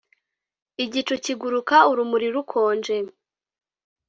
igicu kiguruka, urumuri rukonje;